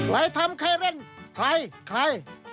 ใครทำใครเล่นใครใคร